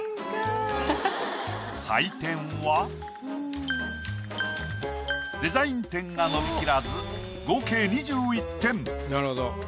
採点はデザイン点が伸びきらず合計２１点。